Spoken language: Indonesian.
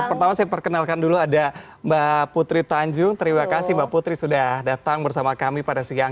pertama saya perkenalkan dulu ada mbak putri tanjung terima kasih mbak putri sudah datang bersama kami pada siang